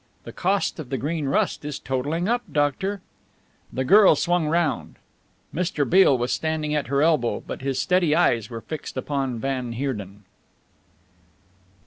"The cost of the Green Rust is totalling up, doctor." The girl swung round. Mr. Beale was standing at her elbow, but his steady eyes were fixed upon van Heerden.